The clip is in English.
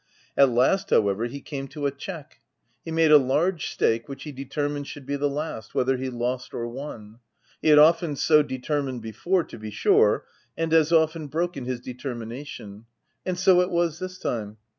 At last, however, he came to a check. He made a large stake which he de termined should be the last, whether he lost or won. He had often so determined before, to be sure, and as often broken his determination ; and so it was this time.